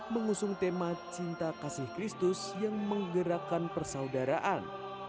mengusung tema cinta kasih kristus yang menggerakkan persaudaraan